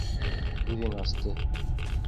Күҙен асты.